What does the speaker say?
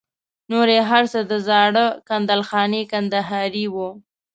نور یې هر څه د زاړه کندل خاني کندهاري وو.